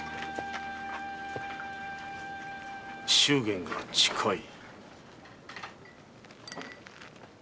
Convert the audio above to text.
祝言が近い？